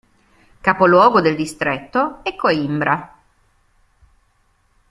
Capoluogo del distretto è Coimbra.